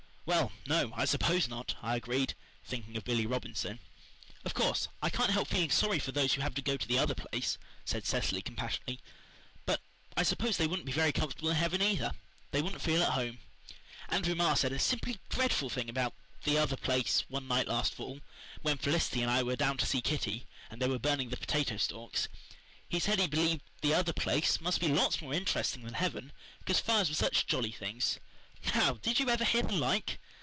"Well, no, I suppose not," I agreed, thinking of Billy Robinson. "Of course, I can't help feeling sorry for those who have to go to THE OTHER PLACE," said Cecily compassionately. "But I suppose they wouldn't be very comfortable in heaven either. They wouldn't feel at home. Andrew Marr said a simply dreadful thing about THE OTHER PLACE one night last fall, when Felicity and I were down to see Kitty, and they were burning the potato stalks. He said he believed THE OTHER PLACE must be lots more interesting than heaven because fires were such jolly things. Now, did you ever hear the like?"